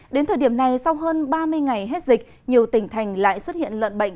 đến thời điểm này sau hơn ba mươi ngày hết dịch nhiều tỉnh thành lại xuất hiện lợn bệnh